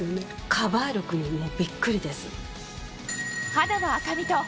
カバー力にびっくりです。